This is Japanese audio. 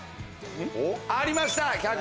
ありました！